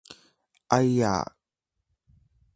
哎呀!